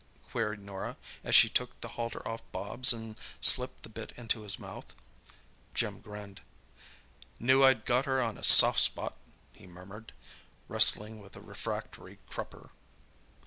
queried Norah, as she took the halter off Bobs and slipped the bit into his mouth. Jim grinned. "Knew I'd got her on a soft spot!" he murmured, wrestling with a refractory crupper.